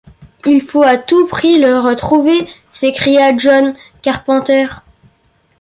Il faut à tout prix le retrouver... s’écria John Carpenter.